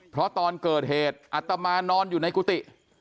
เพราะตอนเกิดเหตุอัตมานอนอยู่ในกุฏิ